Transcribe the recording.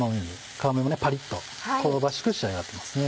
皮目もパリっと香ばしく仕上がってますね。